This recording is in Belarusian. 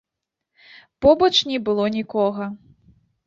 Побач не было нікога.